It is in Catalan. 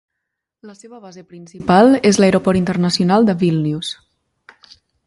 La seva base principal és l'Aeroport Internacional de Vílnius.